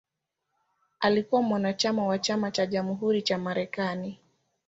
Alikuwa mwanachama wa Chama cha Jamhuri cha Marekani.